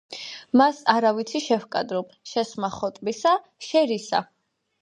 - მას, არა ვიცი, შევჰკადრო შესხმა ხოტბისა, შე - რისა,